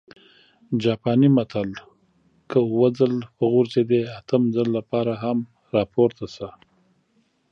جاپانى متل: که اووه ځل وغورځېدې، اتم ځل لپاره هم راپورته شه!